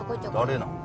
誰なん？